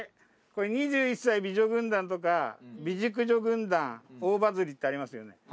これ「２１才美女軍団」とか「美熟女軍団大バズリ」ってありますよね。